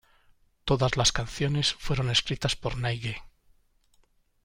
Todas las canciones fueron escritas por Neige.